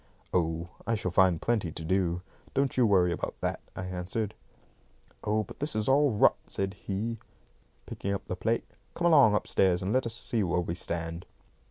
"Oh, I shall find plenty to do. Don't you worry about that," I answered. "Oh, but this is all rot," said he, picking up the plate. "Come along upstairs and let us see where we stand."